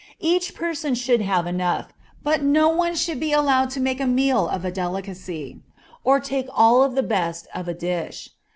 Each person should have enough, but no one should be allowed to make a meal of a delicacy, or take all of the best of a dish.